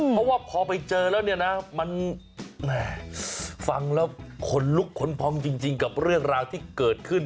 เพราะว่าพอไปเจอแล้วเนี่ยนะมันแหมฟังแล้วขนลุกขนพองจริงกับเรื่องราวที่เกิดขึ้น